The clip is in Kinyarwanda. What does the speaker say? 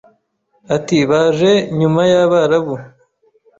ati baje nyuma y’Abarabu